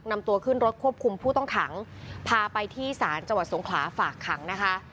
นำตัวขึ้นรถควบคุมผู้ต้องหางพาไปที่ศาลจสงคลาฝากหางนะคะ